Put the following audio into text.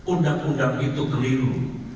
undang undang itu keliru